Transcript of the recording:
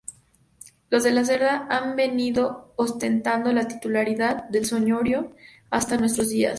Los De la Cerda han venido ostentando la titularidad del señorío hasta nuestros días.